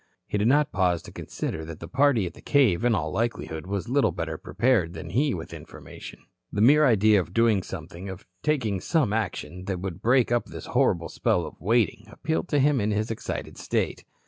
He did not pause to consider that the party at the cave in all likelihood was little better prepared than he with information. The mere idea of doing something, of taking some action that would break up this horrible spell of waiting, appealed to him in his excited state.